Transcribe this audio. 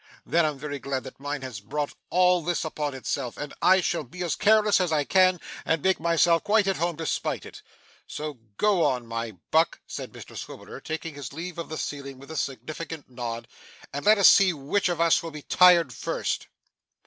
Then I'm very glad that mine has brought all this upon itself, and I shall be as careless as I can, and make myself quite at home to spite it. So go on my buck,' said Mr Swiveller, taking his leave of the ceiling with a significant nod, 'and let us see which of us will be tired first!